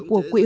của quỹ này